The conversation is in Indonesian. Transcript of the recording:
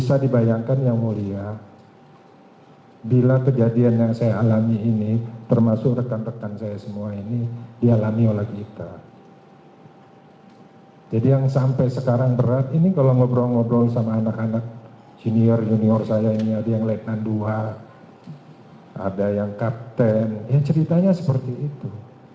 ada yang lekna dua ada yang kapten ya ceritanya seperti itu